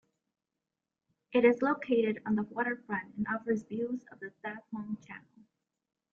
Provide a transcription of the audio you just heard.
It is located on the waterfront and offers views of the Tathong Channel.